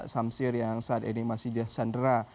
samsir yang saat ini masih jahsandra